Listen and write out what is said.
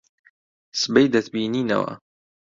سبەی دەتبینینەوە.